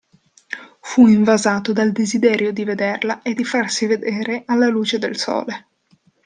Fu invasato dal desiderio di vederla e di farsi vedere alla luce del sole.